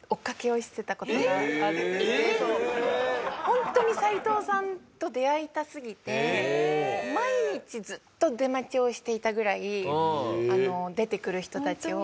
ホントに斉藤さんと出会いたすぎて毎日ずっと出待ちをしていたぐらい出てくる人たちを。